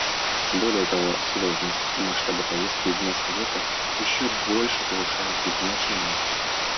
Более того, сложность и масштабы повестки дня Совета еще больше повышают их значение.